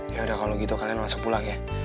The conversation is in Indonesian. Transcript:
yaudah kalau gitu kalian langsung pulang ya